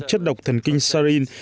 chất độc thần kinh sarin